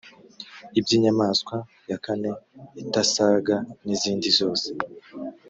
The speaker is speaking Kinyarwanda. iby’inyamaswa ya kane itasaga n’izindi zose